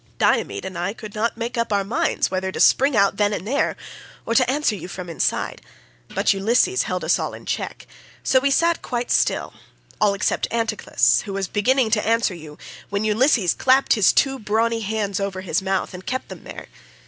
Diomed and I could not make up our minds whether to spring out then and there, or to answer you from inside, but Ulysses held us all in check, so we sat quite still, all except Anticlus, who was beginning to answer you, when Ulysses clapped his two brawny hands over his mouth, and kept them there.